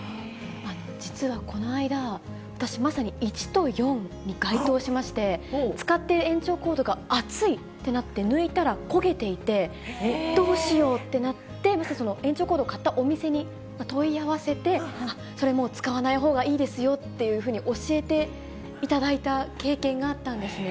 実はこの間、私、まさに１と４に該当しまして、使っている延長コードが熱いってなって、抜いたら焦げていて、どうしようってなって、延長コードを買ったお店に問い合わせて、それもう、使わないほうがいいですよって教えていただいた経験があったんですね。